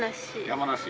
山梨？